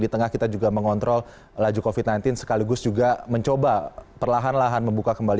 di tengah kita juga mengontrol laju covid sembilan belas sekaligus juga mencoba perlahan lahan membuka kembali